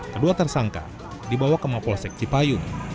kedua tersangka dibawa ke mapol sekjipayung